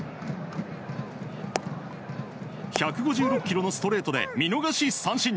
１５６キロのストレートで見逃し三振。